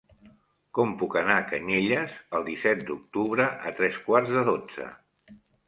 Com puc anar a Canyelles el disset d'octubre a tres quarts de dotze?